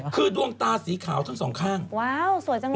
คือดวงตาสีขาวทั้งสองข้างว้าวสวยจังเลย